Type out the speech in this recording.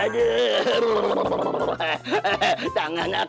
hehehe tangan aku